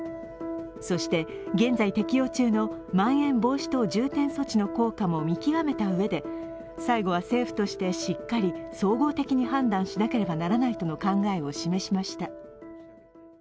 そして、現在適用中のまん延防止等重点措置の効果も見極めたうえで最後は政府としてしっかり総合的に判断しなければならないとの考えを示しました。